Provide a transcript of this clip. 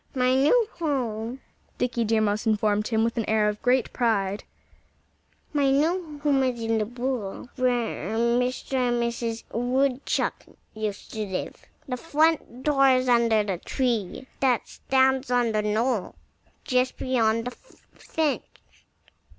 "My new home " Dickie Deer Mouse informed him with an air of great pride "my new home is in the burrow where Mr. and Mrs. Woodchuck used to live. The front door is under the tree that stands on the knoll just beyond the fence.